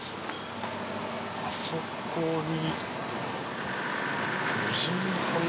あそこに。